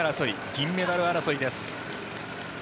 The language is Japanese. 銀メダル争いです。